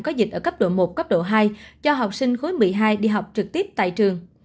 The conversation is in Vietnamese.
có dịch ở cấp độ một cấp độ hai cho học sinh khối một mươi hai đi học trực tiếp tại trường